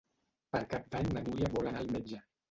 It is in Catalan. Per Cap d'Any na Núria vol anar al metge.